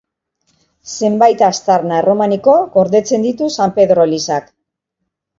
Zenbait aztarna erromaniko gordetzen ditu San Pedro elizak.